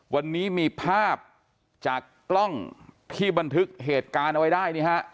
วันนี้มีภาพจากกล้องที่บันทึกเหตุการณ์เอาไว้ได้นี่ฮะ